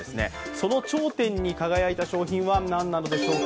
その頂点に輝いた商品は何なのでしょうか。